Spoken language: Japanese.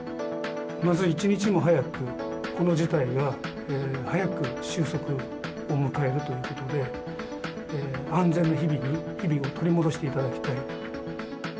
まず一日も早く、この事態が早く収束を迎えるということで、安全な日々を取り戻していただきたい。